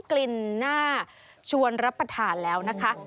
กลิ่นหน้าชวนรับประทานแล้วนะคะ